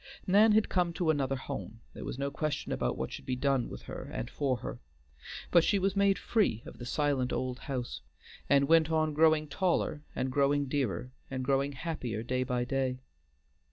Nan had come to another home; there was no question about what should be done with her and for her, but she was made free of the silent old house, and went on growing taller, and growing dearer, and growing happier day by day.